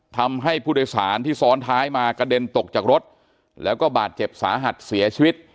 ทำให้ผู้โดยสารที่ซ้อนท้ายมากระเด็นตกจากรถแล้วก็บาดเจ็บสาหัสเสียชีวิต